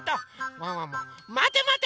ワンワンもまてまて！